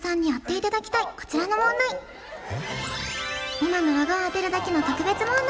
今のロゴを当てるだけの特別問題